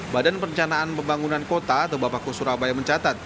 badan perencanaan dan pembangunan kota atau bapeko surabaya mencatat